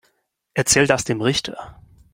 Erzähl das dem Richter.